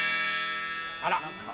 あら！